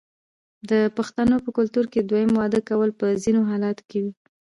د پښتنو په کلتور کې د دویم واده کول په ځینو حالاتو کې وي.